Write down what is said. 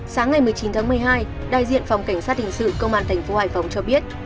sáng ngày một mươi chín tháng một mươi hai đại diện phòng cảnh sát hình sự công an thành phố hải phòng cho biết